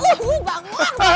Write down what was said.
uh bangun bangun